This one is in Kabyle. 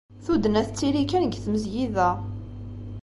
Tuddna tettili kan deg tmezgida.